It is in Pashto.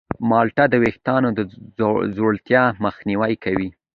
مالټه د ویښتانو د ځوړتیا مخنیوی کوي.